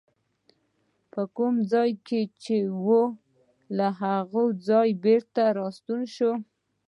په کوم ځای کې چې وه له هغه ځایه بېرته راستنه شوه.